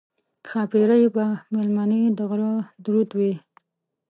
ښاپېرۍ به مېلمنې د غره د رود وي